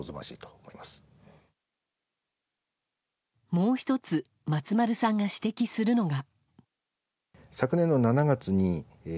もう１つ松丸さんが指摘するのが。